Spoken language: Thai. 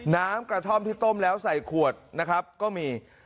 น้ำกระท่อมที่ต้มแล้วใส่ขวดนะครับก็มี